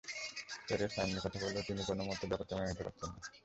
Tebas আইনের কথা বললেও তিনিও কোনো মতেই ব্যাপারটা মেনে নিতে পারছেন না।